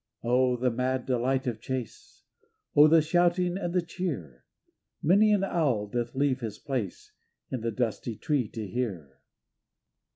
Oh! the mad delight of chase! Oh! the shouting and the cheer! Many an owl doth leave his place In the dusty tree to hear.